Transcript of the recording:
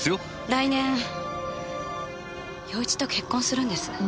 来年陽一と結婚するんです。